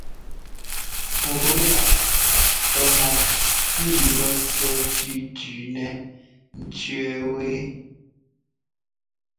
Fɔɔ-láꞌ tɔ́ mɔ́ pʉ́ʉ lɔ̌ɔsɛ́ ńtʉ́tʉ́nɛ ńtẅɛ́ɛ wɛ́.